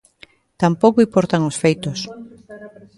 Tampouco importan os feitos.